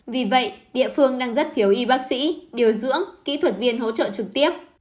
vì vậy địa phương đang rất thiếu y bác sĩ điều dưỡng kỹ thuật viên hỗ trợ trực tiếp